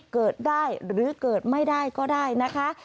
เกิดได้หรือเกิดไม่ได้ก็ได้นะคะ